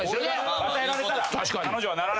俺が与えられたら。